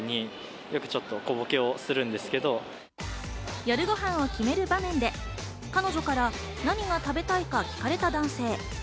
夜ご飯を食べる場面で、彼女から何が食べたいか聞かれた男性。